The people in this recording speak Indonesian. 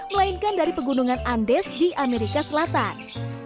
melainkan dari pegunungan andes di amerika selatan